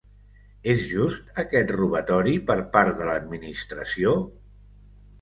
És just aquest robatori per part de l’administració?